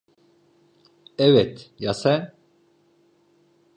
Evet, ya sen?